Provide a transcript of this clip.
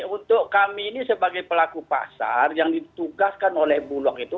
untuk kami ini sebagai pelaku pasar yang ditugaskan oleh bulog itu